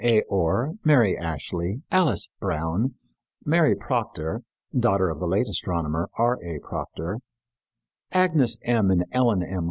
A. Orr, Mary Ashley, Alice Brown, Mary Proctor daughter of the late astronomer, R. A. Proctor Agnes M. and Ellen M.